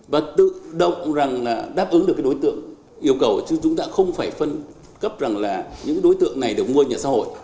và tự động đáp ứng được cái đối tượng yêu cầu chứ chúng ta không phải phân cấp rằng là những đối tượng này được mua nhà xã hội